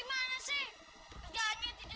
sakit ya dulu